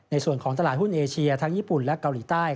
ในส่วนของตลาดหุ้นเอเชียทั้งญี่ปุ่นและเกาหลีใต้